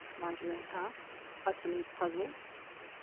Marjolaine asked, utterly puzzled.